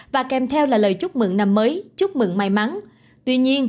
và kèm theo là lời chúc mừng năm mới chúc mừng may mắn